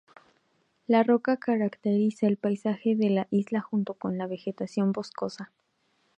La roca caracteriza el paisaje de la isla junto con la vegetación boscosa.